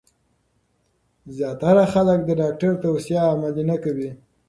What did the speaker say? زیاتره خلک د ډاکټرانو توصیه عملي نه کوي.